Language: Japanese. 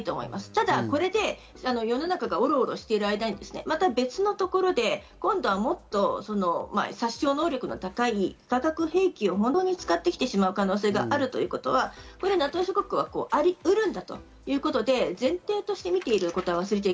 ただ、これで世の中がオロオロしている間に、別のところで今度はもっと殺傷能力の高い化学兵器を本当に使ってきてしまう可能性があるということは、ＮＡＴＯ諸国はありうるんだと、前提として見ていると。